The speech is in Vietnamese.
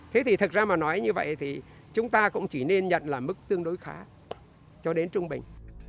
thế thì thực ra mà nói như vậy thì chúng ta cũng chỉ nên nhận là mức tương đối khá cho đến trung bình